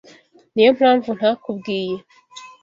Niyo mpamvu ntakubwiye.